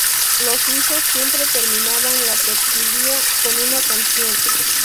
los suizos siempre terminaban la tertulia con una canción